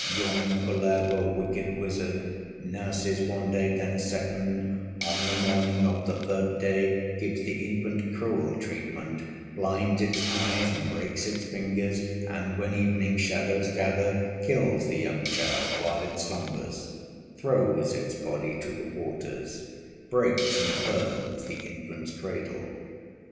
Young Kullervo, wicked wizard, Nurses one day then a second; On the morning of the third day, Gives the infant cruel treatment, Blinds its eyes and breaks its fingers; And when evening shadows gather, Kills the young child while it slumbers, Throws its body to the waters, Breaks and burns the infant's cradle.